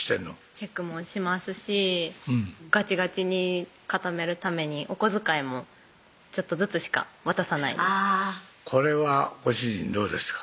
チェックもしますしガチガチに固めるためにお小遣いもちょっとずつしか渡さないこれはご主人どうですか？